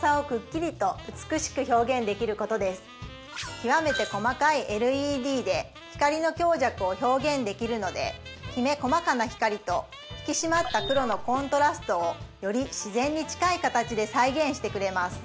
極めて細かいＬＥＤで光の強弱を表現できるのできめ細かな光と引き締まった黒のコントラストをより自然に近い形で再現してくれます